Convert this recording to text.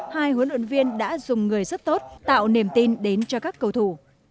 hai huấn luyện viên đã dùng người rất tốt tạo niềm tin đến cho các cầu thủ